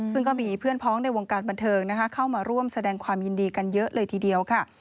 ซึ่งก็มีเพื่อนพ้องในวงการบันเทิงเข้ามาร่วมแสดงความยินดีกันเยอะเลยทีเดียวค่ะ